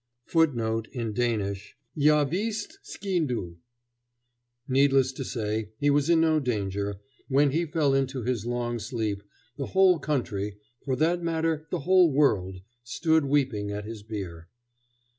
[Footnote: In Danish: "Jeg er vist skindod."] Needless to say, he was in no danger. When he fell into his long sleep, the whole country, for that matter the whole world, stood weeping at his bier.